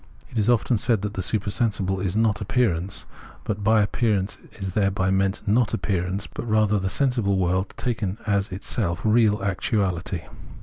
It is often said that the supersensible is not appearance ; but by appearance is thereby meant not appearance, but rather the sensible world taken as itself real actuality.